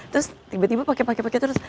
terus tiba tiba pakai pakai terus